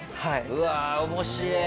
うわ面白えな。